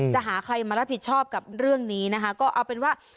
จะหาใครมารับผิดชอบกับเรื่องนี้นะคะก็เอาเป็นว่า